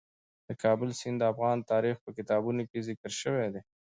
د کابل سیند د افغان تاریخ په کتابونو کې ذکر شوی دي.